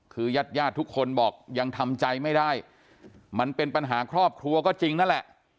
คือญาติญาติทุกคนบอกยังทำใจไม่ได้มันเป็นปัญหาครอบครัวก็จริงนั่นแหละ